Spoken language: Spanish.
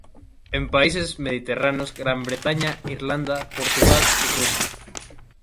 En países mediterráneos, Gran Bretaña, Irlanda, Portugal y Rusia.